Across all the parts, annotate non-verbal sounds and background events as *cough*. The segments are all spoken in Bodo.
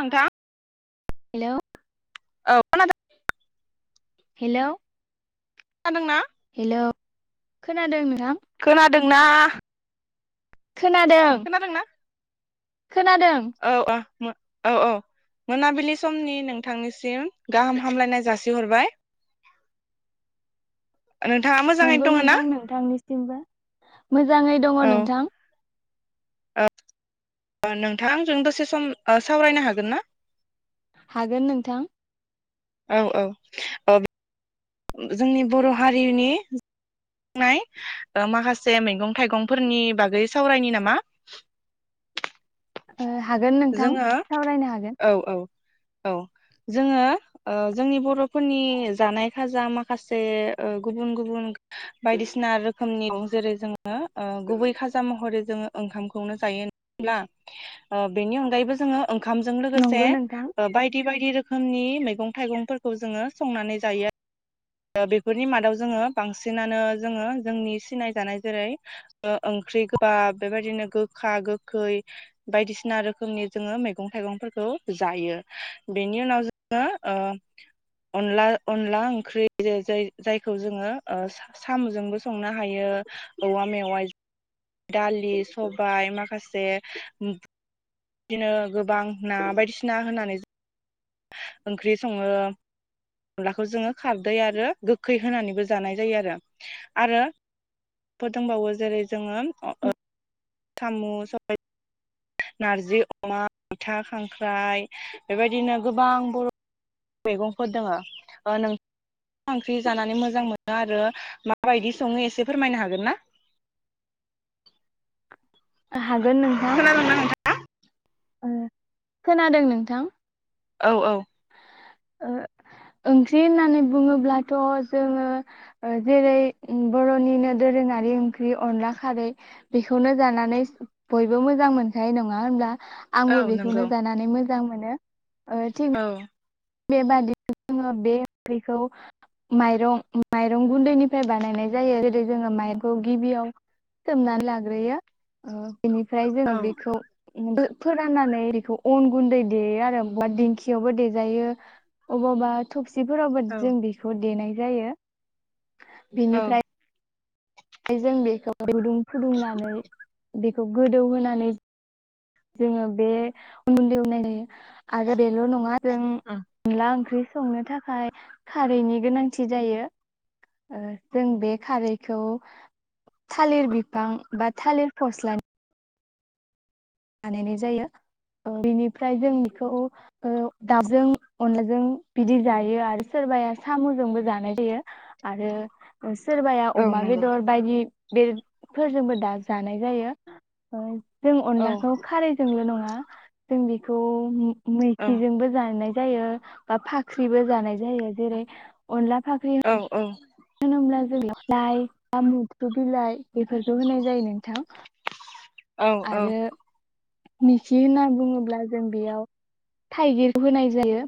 नोंथां हेलौ औ हेल' खोनादोंना? हेलौ खोनादों नोंथां खोनादोंना? खोनादों खोनादोंना? खोनादों औ औ औ औ मोनाबिलि समनि नोंथांनिसिम गाहाम हामलायनाय जासिहरबाय नोंथाङा मोजाङैनो नंगौ दङ ना नोंथां *unintelligible* मोजाङै दङ औ नोंथां। नोंथांजों दसे सम सावरायनो हागोन ना हागोन नोंथां। औ औ औ जोंनि बर' हारिनि नाय माखासे मैगं थाइगंफोरनि बागै सावरायनि नामा? ओ हागोन नोंथां जोङो सावरायनो हागोन। औ औ औ जोङो ओ जोंनि बर'फोरनि जानाय खाजा माखासे ओ गुबुन गुबुन बायदिसिना रोखोमनि दं जेरै जोङो गुबै खाजा महरै ओ जोङो ओंखामखौनो जायो होमब्ला ओ बेनि अनगायैबो जोङो ओंखामजों लोगोसे नंगौ नोंथां ओ बायदि बायदि रोखोम रोखोमनि मैगं थाइगंफोरखौ जोङो संनानै जायो आरो। बेफोरनि मादाव जोङो बांसिनानो जोङो जोंनि सिनाय जानाय जेरै ओ-ओंख्रि गोबाब बेबायदिनो गोखा गोखै बायदिसिना रोखोमनि जोङो मैगं थाइगंफोरखौ जायो बेनि उनाव जोङो ओ अनला अनला ओंख्रि जाय जायखौ जोङो ओ सा-साम'जोंबो संनो हायो औवा मेवाइ दालि सबाय माखासे बिदिनो गोबां ना बायदिसिना होनानै ओ ओंख्रि सङो अनलाखौ जोङो खारदै आरो गोखै होनानैबो जानाय जायो आरो आरो फोरदोंंबावो जेरै जोङो ओ खामु सबाय नारजि अमा मैथा खांख्राइ बेबायदिनो गोबां बर' मैगंफोर दोङो नोंथाङा मा ओंख्रि जानानै मोजां मोनो आरो माबायदि सङो एसे फोरमायनो हागोन ना? *unintelligible* हागोन नोंथां खोनादोंना नोंथां? खोनादों नोंथां। औ औ ओ-ओंख्रि होननानै बुङोब्लाथ' जोङो जेरै बर'निनो दोरोङारि ओंख्रि अनला खारै बेखौनो जानानै बयबो मोजां मोनखायो नङा होमब्ला? औ आंबो नंगौ बेखौनो जानानै मोजां मोजां मोनो *unintelligible* औ बेबादि जोङो बे ओंख्रैखौ माइरं माइरं गुन्दैनिफ्राय बानायनाय जायो जेरै जोङो माइरंखौ गिबियाव सोमनानै लाग्रोयो बेनिफ्राय औ जोङो बेखौ फोराननानै बेखौ अन गुन्दै देयो आरो बा दिंखियावबो देजायो अबा अबा थुफि सिफोरावबो औ जों बेखौ देनाय जायो औ बिनिफ्राय जों बेखौ गुदुं फुदुंनानै बेखौ गोदौहोनानै जोङो बे उनन्दैयाव नायहोयो आरो बेल नङा जों अनला ओंख्रि संनो थाखाय खारैनि गोनांथि जायो जों बे खारैखौ थालिर बिफां बा थालिर फस्लानि बानायनाय जायो ओ बिनिफ्राय जों बेखौ ओ दाउजों अनलाजों बिदि जायो आरो सोरबाया सामुजोंबो जानाय जायो आरो ग सोरबाया औ अमा नंगौ बेदर बायदि बे फोरजोंबो दा जानाय जायो जों अनला औ खारैजोंल' नङा जों बेखौ औ मैखिजोंबो जानाय जायो बा फाख्रिबो जानाय जायो जेरै अनला औ औ होनोमब्ला जों लाइ बा *unintelligible* बिलाइ बेफोरखौ होनाय जायो नोंथां औ औ आरो मिखि होनना बुङोब्ला जों बेयाव थाइगिर होनाय जायो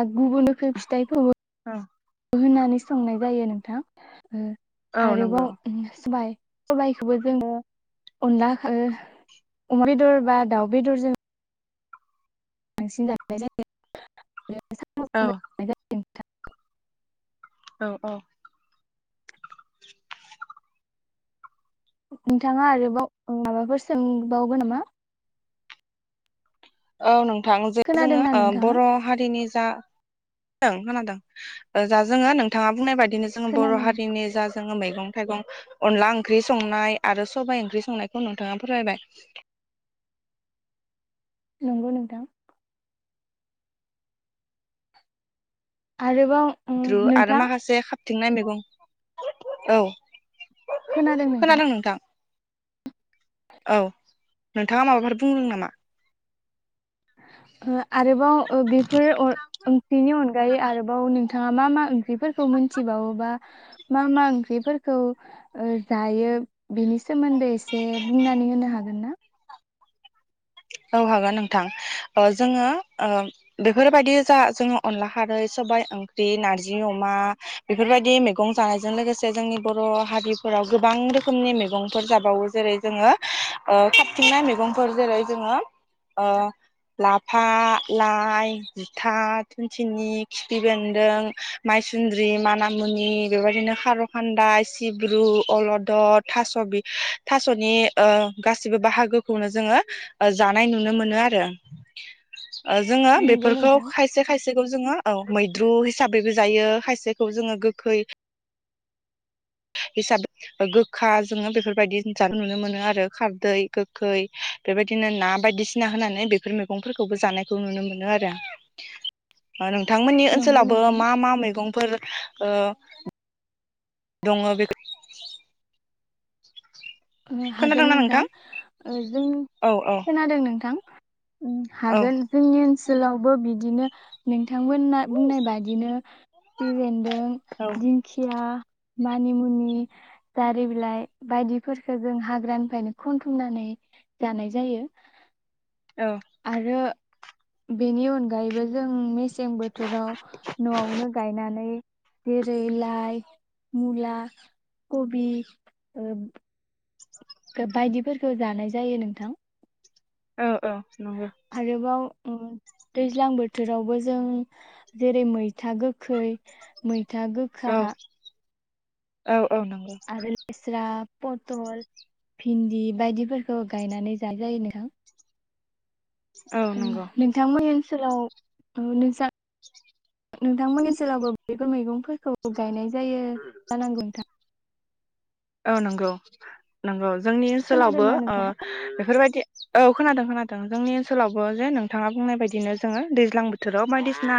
बा गुबुनखै फिथाइखौबो *inaudible* होनानै संनाय जायो नोंथां औ नंगौ आरोबाव उम सबाय सबायाइखौबो जोङो अनलाखो अमा बेदर बा दाउ बेदरजों बांसिन जानाय जायो औ न्थ *unintelligible* औ औ *inaudible* नोंथाङा आरोबाव माबाफोर सोंबावगोन नामा औ नों थां जे जोङो खोनादोंना ओ नोंथाङा बर हारिनि जा खोनादों जा जोङो नोंथाङा बुंनाय बायदि बिदिनो जोङो बर' खोनादों हारिनि जा जोङो मैगं थाइगं अनला ओंख्रि संनाय आरो सबाय ओंख्रि संनायखौ नोंथाङा फोरायबाय नंगौ नोंथां आरोबाव ग्रु आरो नोंथां माखासे थिंना मैगं औ खोनादों नोंथां औ नोंथाङा माबाफोर बुंदों नामा? ओ आरोबाव ओ बेफोर बेनि ओंख्रिनि अनगायै आरोबाव नों नोंथाङा मा मा ओंख्रिफोरखौ मोनथिबावोबा मा मा ओंख्रिफोरखौ जायो बेनि सोमोन्दै एसे बुंनानै होनो हागोन ना? औ हागोन नोंथां ओ जोङो बेफोरबायदि जा जोङो अनला खारै सबाय ओंख्रि नारजि अमा बेफोरबायदि मैगं जानायजों लोगोसे जोंनि बर' हारिफोराव गोबां रोखोमनि मैगंफोर जाबावो जेरै जोङो ओ खाबथिंनाय मैगंफोर जेरै जोङो ओ लाफा लाइ जुथा थुुनथिनि खिफि बेन्दों मायसुन्द्रि मानामुनि बेबायदिनो खार' खान्दा सिब्रु अलदद थास' बि थास'नि ओ गासिबो बाहागोखौनो जोङो जानाय नुनो मोनो आरो? जोङो नंगौ बेफोरखौ नोंथां। खायसे खायसेखौ जोङो औ मैद्रु हिसाबै बो जायो खायसेखौ जोङो गोखै हिसाबै गोखा जोङो बेफोरबायदि जानाय नुनो मोनो आरो खारदै गोखै बेबायदिनो ना बायदिसिना होनानै बेफोर मैगंफोरखौबो जानायखौ नुनो मोनो आरो। बिथांमोननि नंगौ ओनसोलावबो नोंथां मा मा मैगंफोर ओ दङ बेखौ हागोन नोंथां जों औ औ खोनादों नोंथां ओम औ हागोन ओम‌ जोंनि ओनस लावबो बिदिनो नों बिथांमोना बुंनाय बादिनो खिफि बेन्दों दिंखिया मानिमुनि दारि बिलाइ बायदि फोरखो जों हाग्रानिफ्रायनो खनथुमनानै जानाय जायो। औ आरो बेनि अनगायैबो जों मेसें मेसें बोथोराव न'आवनो गायनानै जेरै लाइ मुला कबि बायदिफोरखौ जानाय जायो नोंथां। औ औ नंगौ आरोेबाव दैज्लां बोथोरावबो जों जेरै मै मैथा गोखै मैथा औ गोखा औ औ नंगौ आरो लेस्रा पथल भिन्दि बायदिफोरखौ गायनानै जा जायो नोंथां औ नंगौ नोंथांमोन ओनसोलाव औ नोंसा नोंथांमोननि ओनसोलावबो बेफोर मैगं फोरखौ गायनाय जायो जानांगौ नोंथां औ नंगौ नंगौ जोंनि ओनसोलावबो खोनादोंना ओ नोंथाङा बेफोरबायदि औ खोनादों खोनादों जोंनि ओनसोलावबो जे नोंथाङा बुंनाय बायदिनो जोङो दैज्लां बोथोराव बायदिसिना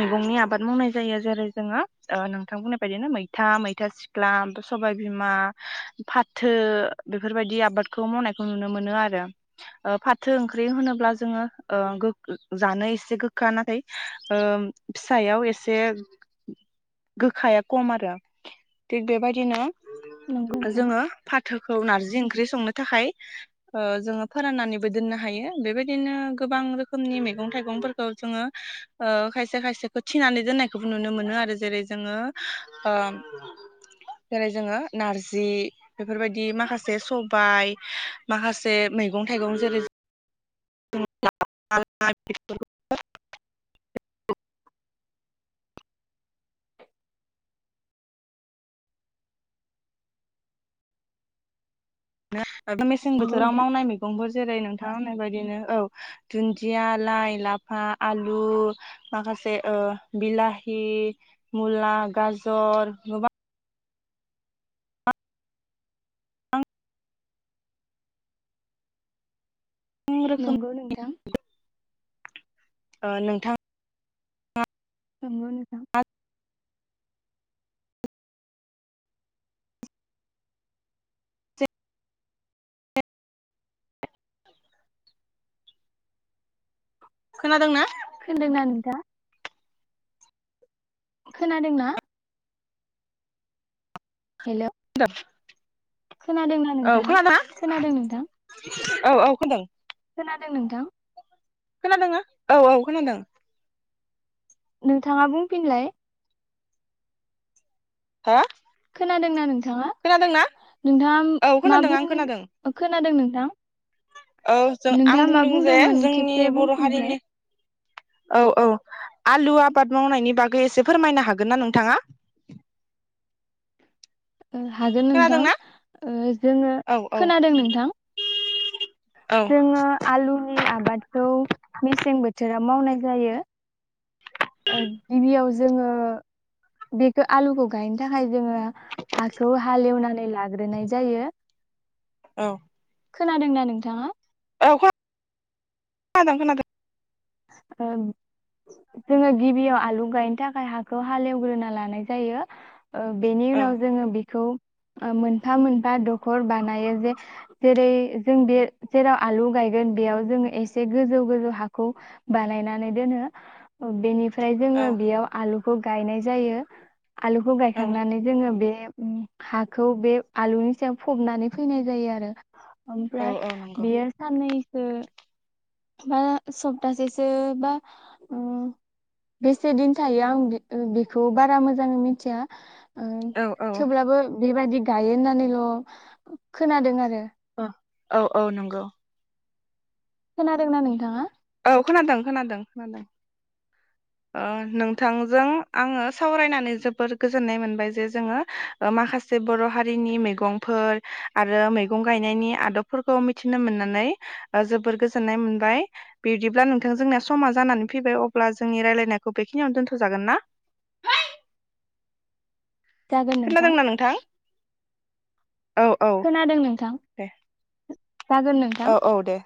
मैगंनि आबाद मावनाय जायो जेरै जोङो ओ नोंथां बुंनाय बायदिनो मैथा मैथा सिख्ला सबाइ बिमा फाथो बेफोरबायदि आबादखौ मावनायखौ नुनो मोनो आरो ओ फाथो ओंख्रि होनोब्ला जोङो ओ गो जानो एसे गोखा नाथाय ओ फिसायाव एसे गोखाया खम आरो थिग बेबायदिनो नंगौ नोंथां जोङो फाथोखौ नारजि ओं ओंख्रि संनो थाखाय ओ जोङो फोराननानैबो दोननो हायो बेबायदिनो गोबां रोखोमनि मैगं थाइगंफोरखौ जोङो ओ खायसे खायसेखौ थिनानै दोननायखौबो नुनो मोनो आरो जेरै जोङो ओ जेरै जोङो नारजि बेफोरबायदि माखासे सबाय माखासे मैगं थाइगं जेरै *unintelligible* *inaudible* मेसें नंगौ बोथोराव नोंथां मावनाय मैगंखौ जेरै नोंथांङा होननाय बायदिनो औ दुन्दिया लाइ लाफा आलु माखासे ओ बिलाहि मुला गाजर गोबां आं रोखोम नंगौ नोंथां ओ नोंथां नंगौ नोंथां खोनादोंना खोनादोंना नोंथां खोनादोंना हेल' *unintelligible* खोनादोंना औ नोंथाङा खोनादोंना खोनादों नोंथां औ औ खोनादों खोनादों नोंथां खोनादोंना औ औ खोनादों नोंथाङा बुंफिनलाय हो खोनादोंना नोंथाङा खोनादोंना नोंथाङा औ मा खोनादों आं खोनादों बुं खोनादों नों औ जों आं मा बुंदों जे बुंदोंमोन जोंनि खेबसे बर' बुंफिनलाय हारिनि औ औ आलु आबाद मावनायनि बागै एसे फोरमायनो हागोन ना नोंथाङा ओ हागोन नोंथां खोनादोंना ओ जोङो औ औ खोनादों नोंथां औ जोङो आलुनि आबादखौ मेसें बोथोर राव मावनाय जायो। ओ गिबियाव जोङो बेखौ आलुखौ गायनो थाखाय जोङो हाखौ हालेवनानै लाग्रोनाय जायो औ खोनादोंना नोंथाङा? औ खोनादों खोनादों ओ जोङो गिबियाव आलु गायनो थाखाय हाखौ हालेवग्रोना लानाय जायो ओ बेनि औ उनाव जोङो बेखौ ओ मोनफा मोनफा दखर बानायो जे जेरै जों बे जेराव आलु गायगोन बेयाव जोङो एसे गोजौ गोजौ हाखौ बानायनानै दोनो बेनिफ्राय ओमफ्राय जोङो औ बेयाव आलु बेखौ गायनाय जायो आलुखौ औ गायखांनानै जोङो बे हाखौ बे आलुनि सायाव फबनानै फैनाय जायो आरो औ ओमफ्राय औ नंगौ बियो साननै द *inaudible* बा सप्तासेसो बा ओ बेसे दिन थायो आं बेखौ बारा मोजाङै मिथिया ओ औ औ थेवब्लाबो बेबायदि गायो होननानैल खोनादों आरो अ औ औ नंगौ खोनादों ना नोंथाङा औ खोनादों खोनादों खोनादों ओ नोंथांजों आङो सावरायनानै जोबोर गोजोननाय मोनबाय जे जोङो माखासे बर' हारिनि मैगंफोर आरो मैगं गायनायनि आदबफोरखौ मिथिनो मोननानै जोबोर गोजोननाय मोनबाय बिदिब्ला नोंथां जोंनिया समा जानानै फैबाय अब्ला जों जोंनि रायलायनायखौ बेखिनियावनो दोनथ'जागोन ना जागोन नोंथां औ औ खोनादों नोंथां दे जागोन नोंथां औ औ दे